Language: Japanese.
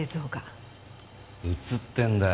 映ってるんだよ。